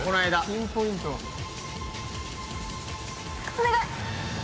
お願い！